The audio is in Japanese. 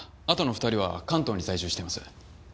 あとの２人は関東に在住しています。